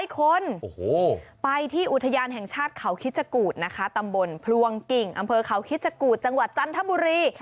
คนไปที่อุทยานแห่งชาติเขาคิดจกูธนะคะตำบลพลวงกิ่งอำเภอเขาคิดจกูธจังหวัดจันทบุรี